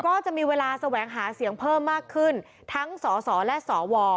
ก็จะมีเวลาแสวงหาเสียงเพิ่มมากขึ้นทั้งสสและสว